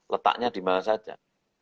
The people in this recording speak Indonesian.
letaknya di mana saja